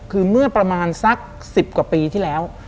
คือเมื่อประมาณสัก๑๐กว่าปีที่แล้ว